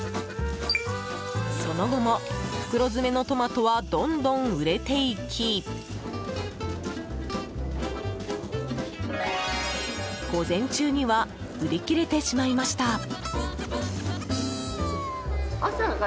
その後も、袋詰めのトマトはどんどん売れていき午前中には売り切れてしまいました。